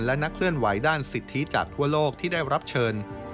และนักเคลื่อนไหวด้านสิทธิจากทั่วโลกที่ได้รับเชิญ